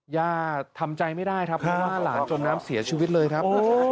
ย่าทำใจไม่ได้ครับเพราะว่าหลานจมน้ำเสียชีวิตเลยครับ